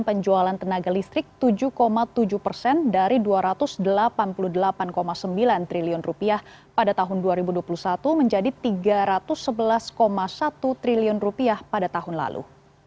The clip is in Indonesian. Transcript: penjualan tenaga listrik tujuh tujuh persen dari rp dua ratus delapan puluh delapan sembilan triliun pada tahun dua ribu dua puluh satu menjadi tiga ratus sebelas satu triliun pada tahun lalu